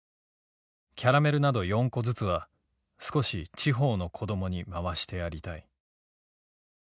キャラメル等四個ずつは少し地方の子供に廻してやりたい」。